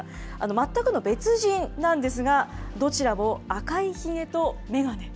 全くの別人なんですが、どちらも赤いひげと眼鏡。